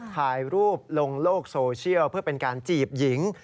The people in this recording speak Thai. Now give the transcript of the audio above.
ถ่ายรูปลงโลกโซเชียลเพื่อเป็นการจีบหญิง